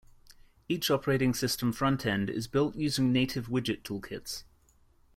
Each operating system front-end is built using native widget toolkits.